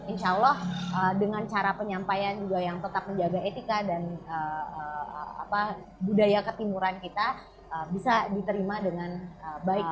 insya allah dengan cara penyampaian juga yang tetap menjaga etika dan budaya ketimuran kita bisa diterima dengan baik